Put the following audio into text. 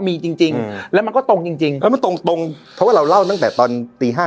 มีจริงจริงแล้วมันก็ตรงจริงจริงแล้วมันตรงตรงเพราะว่าเราเล่าตั้งแต่ตอนตีห้า